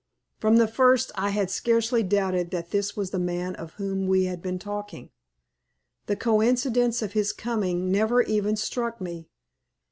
From the first I had scarcely doubted that this was the man of whom we had been talking. The coincidence of his coming never even struck me.